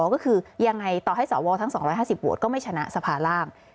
ก็คือยังไงต่อให้สวทั้ง๒๕๐โหวตก็ไม่ชนะสภาร่าง